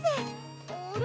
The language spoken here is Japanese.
あれ？